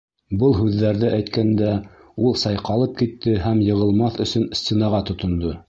Был һүҙҙәрҙе әйткәндә ул сайҡалып китте һәм йығылмаҫ өсөн стенаға тотондо.